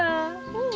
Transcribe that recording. うん。